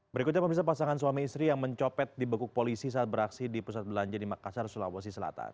berikutnya pemirsa pasangan suami istri yang mencopet dibekuk polisi saat beraksi di pusat belanja di makassar sulawesi selatan